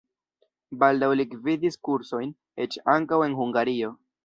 Baldaŭ li gvidis kursojn, eĉ ankaŭ en Hungario.